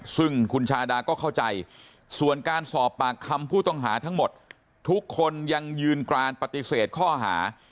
ซึ่งคุณชาดาก็เข้าใจส่วนการสอบปากคำผู้ต้องหาทั้งหมดทุกคนยังยืนกรานปฏิเสธข้อหา